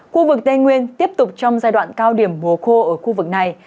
khu vực tây nguyên tiếp tục trong giai đoạn cao điểm mùa khô ở khu vực này